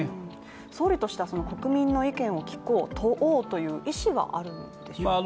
総理としては国民の意見を聞こう問おうという意思はあるんでしょうか？